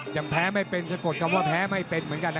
ยังแพ้ไม่เป็นสะกดคำว่าแพ้ไม่เป็นเหมือนกัน